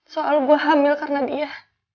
soal gue hamil karena dia